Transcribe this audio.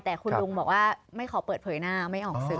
แต่คุณลุงบอกว่าไม่ขอเปิดเผยหน้าไม่ออกสื่อ